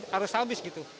harus habis gitu